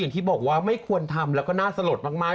ที่บอกว่าไม่ควรทำแล้วก็น่าสลดมาก